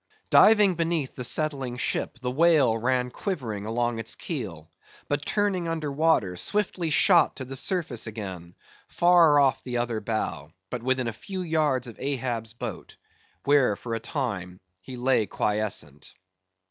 Diving beneath the settling ship, the whale ran quivering along its keel; but turning under water, swiftly shot to the surface again, far off the other bow, but within a few yards of Ahab's boat, where, for a time, he lay quiescent.